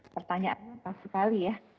pertanyaannya pas sekali ya